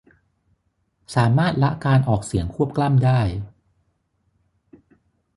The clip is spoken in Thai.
สามารถละการออกเสียงควบกล้ำได้